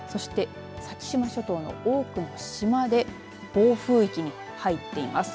先島諸島の多くの島で暴風域に入っています。